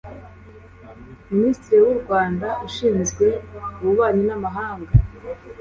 Ministre w’u Rwanda ushinzwe ububanyi n’amahanga